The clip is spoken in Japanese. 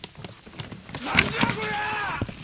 何じゃこりゃあ！